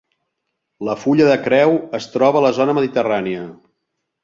La fulla de creu es troba a la zona mediterrània.